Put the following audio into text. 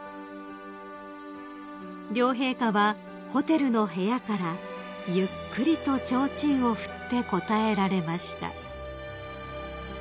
［両陛下はホテルの部屋からゆっくりとちょうちんを振って応えられました］